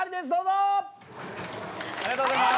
ありがとうございます。